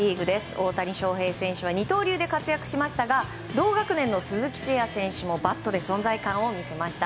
大谷翔平選手は二刀流で活躍しましたが同学年の鈴木誠也選手もバットで存在感を見せました。